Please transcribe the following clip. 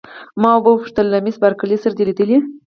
ما وپوښتل: له مس بارکلي سره دي لیدلي؟